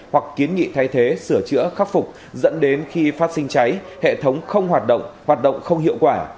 hoặc kiến nghị thay thế sửa chữa khắc phục dẫn đến khi phát sinh cháy hệ thống không hoạt động hoạt động không hiệu quả